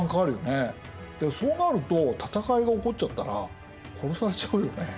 そうなると戦いが起こっちゃったら殺されちゃうよね？